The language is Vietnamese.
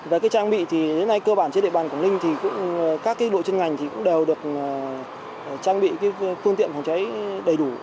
về trang bị đến nay cơ bản trên địa bàn quảng ninh các đội chuyên ngành cũng đều được trang bị phương tiện phòng trái đầy đủ